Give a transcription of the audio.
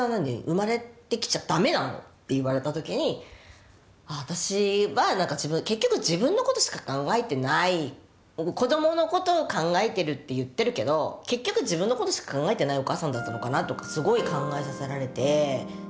生まれてきちゃ駄目なの？」って言われた時に私は結局自分のことしか考えてない子どものことを考えてるって言ってるけど結局自分のことしか考えてないお母さんだったのかなとかすごい考えさせられて。